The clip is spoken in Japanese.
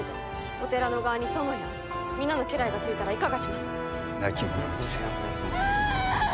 お寺の側に殿や、皆の家来がついたら亡き者にせよ。